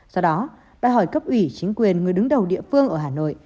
do đó đòi hỏi cấp ủy chính quyền người đứng đầu địa phương ở hà nội